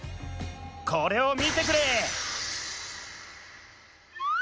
これをみてくれ！